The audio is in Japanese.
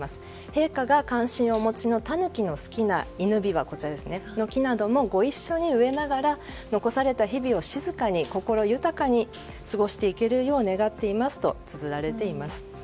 陛下が関心をお持ちのタヌキの好きなイヌビワの木などもご一緒に植えながら残された日々を静かに心豊かに過ごしていけるよう願っていますとつづられています。